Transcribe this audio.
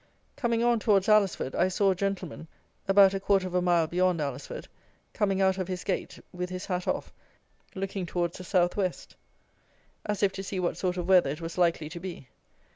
Coming on towards Alresford, I saw a gentleman (about a quarter of a mile beyond Alresford) coming out of his gate with his hat off, looking towards the south west, as if to see what sort of weather it was likely to be.